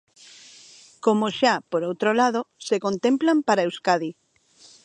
Como xa, por outro lado, se contemplan para Euskadi.